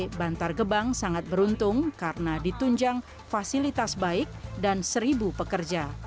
pt bantar gebang sangat beruntung karena ditunjang fasilitas baik dan seribu pekerja